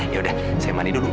ya udah saya mandi dulu